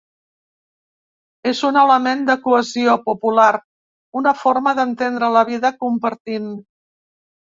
És un element de cohesió popular, una forma d’entendre la vida compartint.